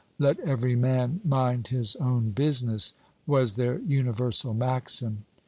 "Let every man mind his own business" was their universal maxim.